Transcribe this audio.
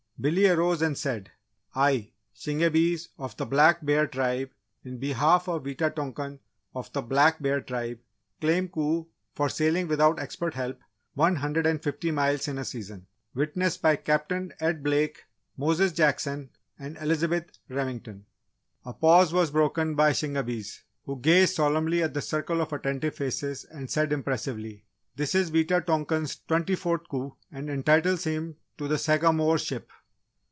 Billy arose and said, "I, Shingebis, of the Black Bear Tribe, in behalf of Wita tonkan of the Black Bear Tribe, claim coup for sailing without expert help, one hundred and fifty miles in a season. Witnessed by Captain Ed Blake, Moses Jackson, and Elizabeth Remington." A pause was broken by Shingebis, who gazed solemnly at the circle of attentive faces and said impressively: "This is Wita tonkan's twenty fourth coup and entitles him to the Sagamore ship!"